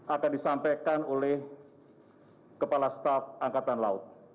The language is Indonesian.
akan disampaikan oleh kepala staf angkatan laut